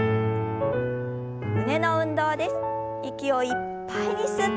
胸の運動です。